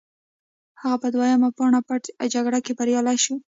هغه په دویمه پاني پت جګړه کې بریالی شو.